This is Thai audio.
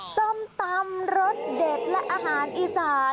ส้มตำรสเด็ดและอาหารอีสาน